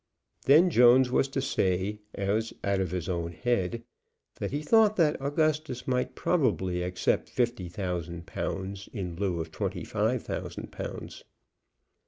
Then Jones was to say, as out of his own head, that he thought that Augustus might probably accept fifty thousand pounds in lieu of twenty five thousand pounds.